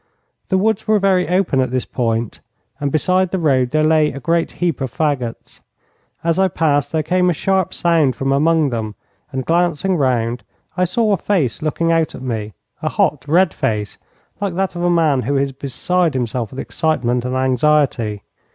The woods were very open at this point, and beside the road there lay a great heap of fagots. As I passed there came a sharp sound from among them, and, glancing round, I saw a face looking out at me a hot, red face, like that of a man who is beside himself with excitement and anxiety.